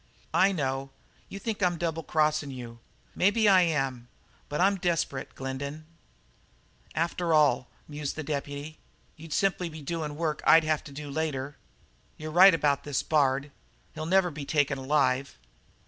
"I know. You think I'm double crossin' you. Maybe I am, but I'm desperate, Glendin." "After all," mused the deputy, "you'd be simply doin' work I'd have to do later. You're right about this Bard. He'll never be taken alive."